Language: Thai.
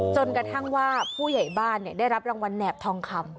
จนกระทั่งว่าผู้ใหญ่บ้านได้รับรางวัลแหนบทองคำ